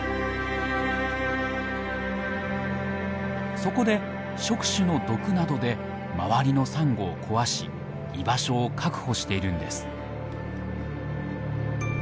そこで触手の毒などで周りのサンゴを壊し居場所を確保しているんです。